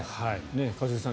一茂さん